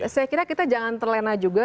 saya kira kita jangan terlena juga